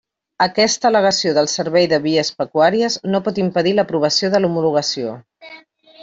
Aquesta al·legació del Servei de Vies Pecuàries no pot impedir l'aprovació de l'homologació.